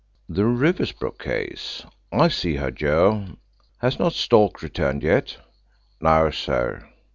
"The Riversbrook case? I'll see her, Joe. Has not Stork returned yet?" "No, sir."